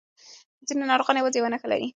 ځینې ناروغان یوازې یو نښه لري.